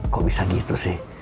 kok bisa gitu sih